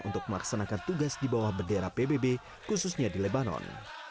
untuk melaksanakan tugas di bawah bendera pbb khususnya di lebanon